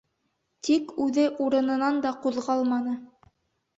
Тик үҙе урынынан да ҡуҙғалманы.